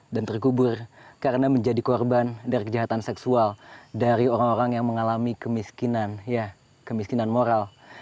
dan terkubur karena menjadi korban dari kejahatan seksual dari orang orang yang mengalami kemiskinan ya kemiskinan moral